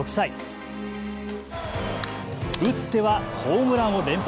打ってはホームランを連発。